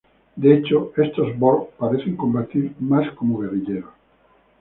De hecho, estos Borg parecen combatir más como guerrilleros.